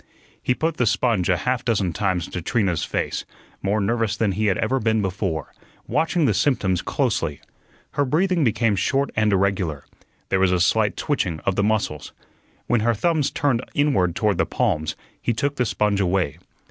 He put the sponge a half dozen times to Trina's face, more nervous than he had ever been before, watching the symptoms closely. Her breathing became short and irregular; there was a slight twitching of the muscles. When her thumbs turned inward toward the palms, he took the sponge away.